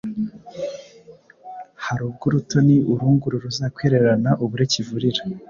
hari ubwo urutoni urunguru ruzakwihererana ubure kivurira!”